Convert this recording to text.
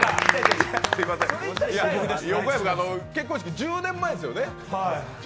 横山君、：結婚式、１０年前ですよね。